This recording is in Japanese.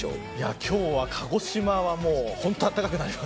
今日は鹿児島はほんとに暖かくなります。